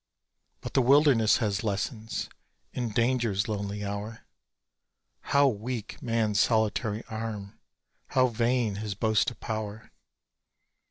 But the wilderness has lessons: in danger's lonely hour, How weak man's solitary arm! How vain his boast of power!